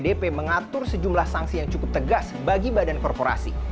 pada saat ini pelanggar mengatur sejumlah sanksi yang cukup tegas bagi badan korporasi